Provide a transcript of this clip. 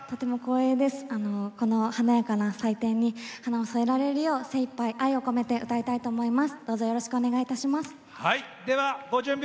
とても華やかな祭典に華を添えられるよう精いっぱい頑張りたいと思います。